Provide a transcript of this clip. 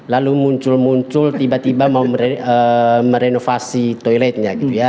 lalu muncul muncul tiba tiba mau merenovasi toiletnya gitu ya